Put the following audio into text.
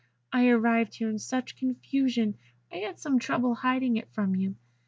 I arrived here in such confusion I had some trouble in hiding it from you.